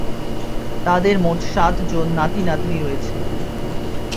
তাদের মোট সাতজন নাতি নাতনি রয়েছে।